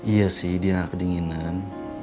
iya sih dia kedinginan